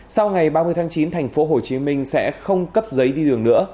sau ngày ba mươi tháng chín thành phố hồ chí minh sẽ không cấp giấy đi đường nữa